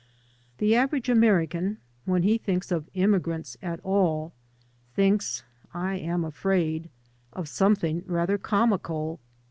The average American, when he thinks of im< migrants at all, thinkf, I am afraid, of something rather comical.